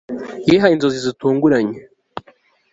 Yihaye inzozi zitunguranye